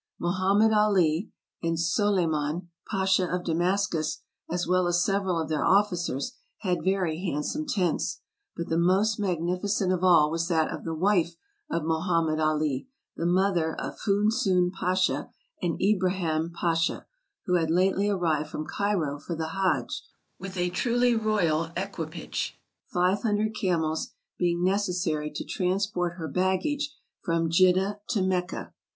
Mohammed Ali, and Soley man, Pasha of Damascus, as well as several of their officers, had very handsome tents ; but the most magnificent of all was that of the wife of Mohammed Ali, the mother of Foos soon Pasha and Ibraham Pasha, who had lately arrived from Cairo for the Hadj with a truly royal equipage, five hundred camels being necessary to transport her baggage from Jidda to Mecca.